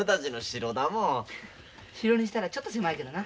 城にしたらちょっと狭いけどな。